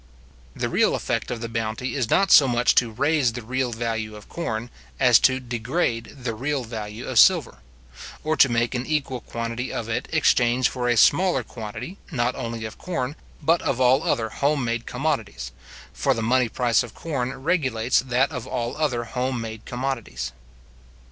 The real effect of the bounty is not so much to raise the real value of corn, as to degrade the real value of silver; or to make an equal quantity of it exchange for a smaller quantity, not only of corn, but of all other home made commodities; for the money price of corn regulates that of all other home made commodities.